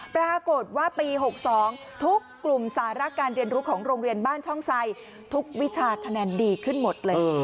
ปรากฏว่าปี๖๒ทุกกลุ่มสาระการเรียนรู้ของโรงเรียนบ้านช่องไซทุกวิชาคะแนนดีขึ้นหมดเลย